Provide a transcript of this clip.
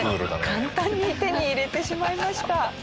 簡単に手に入れてしまいました。